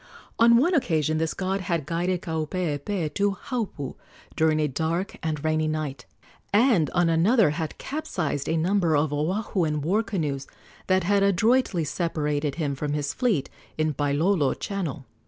On one occasion this god had guided Kaupeepee to Haupu during a dark and rainy night, and on another had capsized a number of Oahuan war canoes that had adroitly separated him from his fleet in Pailolo channel.